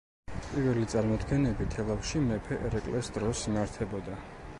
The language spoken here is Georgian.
პირველი წარმოდგენები თელავში მეფე ერეკლეს დროს იმართებოდა.